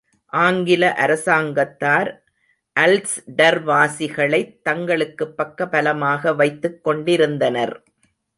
ஆங்கில அரசாங்கத்தார் அல்ஸ்டர்வாசிகளைத் தங்களுக்குப் பக்கபலமாக வைத்துக் கொண்டிருந்தனர்.